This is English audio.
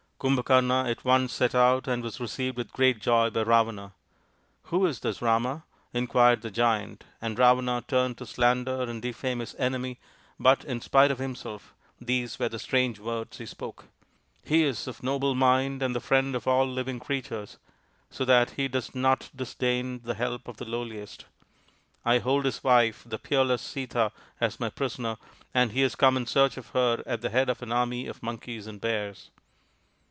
Kumbhakarna at once set out and was received with great joy by Ravana. " Who is this Rama ?" RAMA'S QUEST 47 inquired the Giant, and Ravana turned to slander and defame his enemy, but, in spite of himself, these were the strange words he spoke :" He is of noble mind and the Friend of all Living Creatures, so that he does not disdain the help of the lowliest. I hold his wife, the peerless Sita, as my prisoner, and he has come in search of her at the head of an army of Monkeys and Bears."